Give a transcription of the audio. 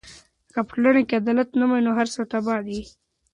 که په ټولنه کې عدالت نه وي، نو هر څه تباه دي.